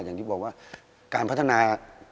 อย่างที่บอกว่าการพัฒนา